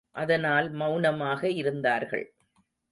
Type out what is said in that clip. அதனால் மௌனமாக இருந்தார்கள்.